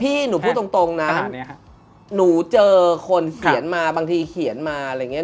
พี่หนูพูดตรงนะหนูเจอคนเขียนมาบางทีเขียนมาอะไรอย่างนี้